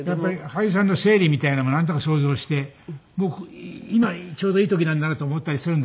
俳優さんの生理みたいなものをなんとか想像して今ちょうどいい時なんだなと思ったりするんですよね。